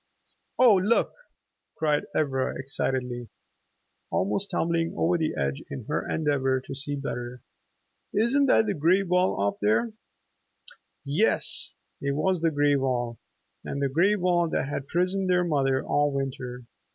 "Oh, look," cried Ivra excitedly, almost tumbling over the edge in her endeavor to see better, "isn't that the gray wall off there?" Yes, it was the gray wall, the gray wall that had prisoned their mother all winter.